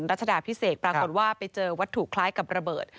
รัชดาพิเศษปรากฏว่าไปเจอวัตถุคล้ายกับระเบิด